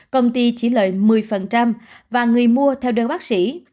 công ty chỉ lợi một mươi và người mua theo đơn bác sĩ